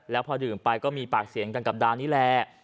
แล้วพอดื่มไปก็มีปากเสียงกันกับดานี่แหละ